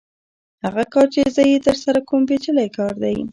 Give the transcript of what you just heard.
هغه کار چې زه یې ترسره کوم پېچلی کار دی